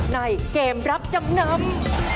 ในเกมรับจำนำ